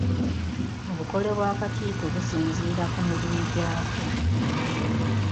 Obukole bw'akakiiko businziira ku mirimu gyako.